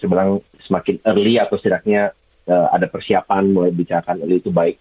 sekarang semakin early atau setidaknya ada persiapan mulai bicara itu baik